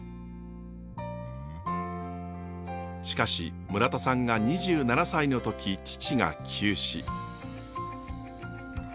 しかし村田さんが２７歳の時父が急死。